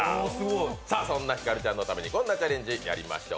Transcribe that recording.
そんなひかるちゃんのためにこんなチャレンジやりましょう！